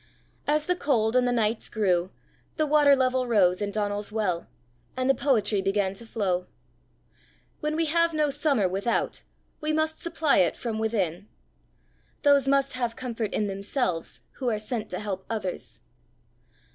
As the cold and the nights grew, the water level rose in Donal's well, and the poetry began to flow. When we have no summer without, we must supply it from within. Those must have comfort in themselves who are sent to help others.